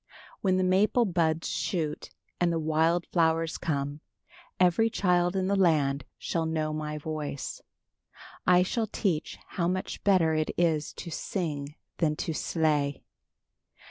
"When the maple buds shoot and the wild flowers come, every child in the land shall know my voice. "I shall teach how much better it is to sing than to slay.